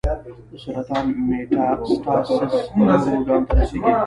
د سرطان میټاسټاسس نورو ارګانونو ته رسېږي.